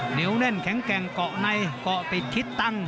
เหนียวแน่นแข็งแกร่งเกาะในเกาะติดทิศตั้ง